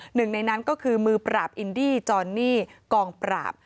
หนึ่งในนั้นก็คือมือปราบอินดี้จอนนี่กองปราบ